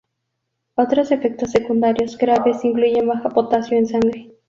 Otros efectos secundarios graves incluyen baja potasio en sangre.